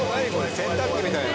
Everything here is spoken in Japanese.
洗濯機みたいな。